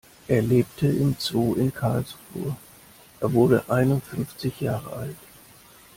Er lebte im Zoo in Karlsruhe, er wurde einundfünfzig Jahre alt.